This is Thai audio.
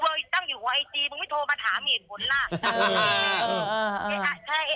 มึงมีเบอร์กูเบอร์ตั้งอยู่หัวไอจีมึงไม่โทรมาถามเห็นหมดน่ะเออเออเออเออ